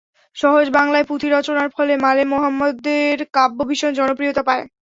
সহজ বাংলায় পুঁথি রচনার ফলে মালে মোহাম্মদের কাব্য ভীষণ জনপ্রিয়তা পায়।